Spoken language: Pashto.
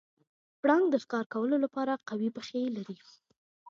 پړانګ د ښکار کولو لپاره قوي پښې لري.